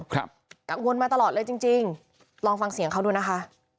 กังวลมาตลอดเลยจริงจริงลองฟังเสียงเขาดูนะคะ